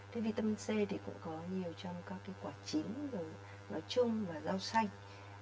thế vitamin c thì cũng có nhiều trong các cái quả chín rau chung và rau xanh